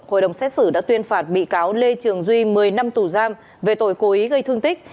hội đồng xét xử đã tuyên phạt bị cáo lê trường duy một mươi năm tù giam về tội cố ý gây thương tích